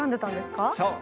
そう。